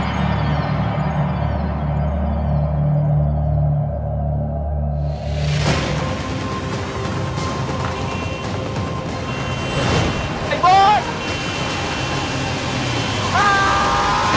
ใส่กล่องกลับบ้านนะได้จ้ะ